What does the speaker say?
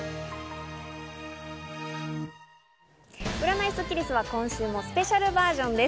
占いスッキりすは今週もスペシャルバージョンです。